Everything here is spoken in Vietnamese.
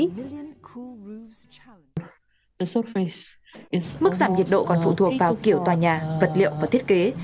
mức giảm nhiệt độ còn phụ thuộc vào kiểu tòa nhà vật liệu và thiết kế